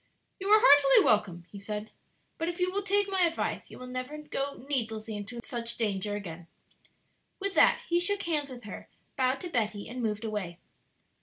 "You are heartily welcome," he said; "but if you will take my advice you will never go needlessly into such danger again." With that he shook hands with her, bowed to Betty, and moved away.